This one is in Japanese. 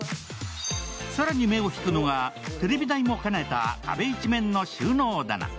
更に目を引くのが、テレビ台も兼ねた壁一面の収納棚。